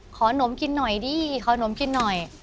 หนมกินหน่อยดิขอนมกินหน่อย